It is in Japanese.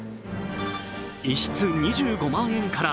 １室２５万円から。